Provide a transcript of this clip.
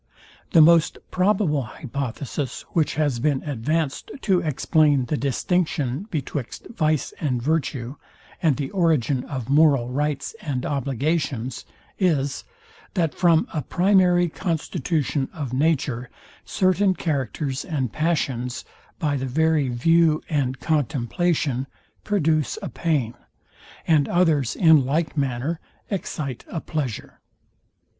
The most probable hypothesis, which has been advanced to explain the distinction betwixt vice and virtue, and the origin of moral rights and obligations, is, that from a primary constitution of nature certain characters and passions, by the very view and contemplation, produce a pain, and others in like manner excite a pleasure.